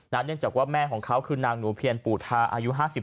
เนื่องจากว่าแม่ของเขาคือนางหนูเพียรปู่ทาอายุ๕๓